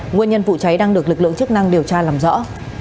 nguyên nhân vụ cháy đang được lực lượng chức năng điều tra làm rõ